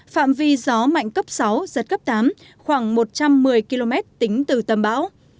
phạm vi gió mạnh cấp sáu giật cấp tám khoảng một trăm một mươi km tính từ tâm bão